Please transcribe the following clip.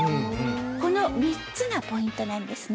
この３つがポイントなんですね。